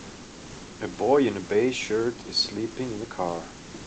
a boy in a beige shirt is sleeping in a car.